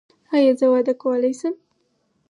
ایا زه واده کولی شم؟